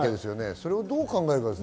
それをどう考えるかですよね。